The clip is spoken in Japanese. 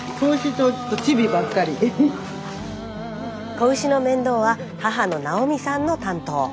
子牛の面倒は母の奈緒美さんの担当。